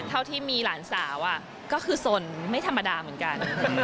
เท่าที่มีหลานสาวก็คือสนไม่ธรรมดาเหมือนกัน